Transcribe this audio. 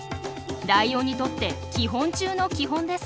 ライオンにとって基本中の基本です。